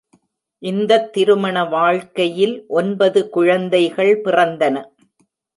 இந்தத் திருமண வாழ்க்கையில் ஒன்பது குழந்தைகள் பிறந்தன.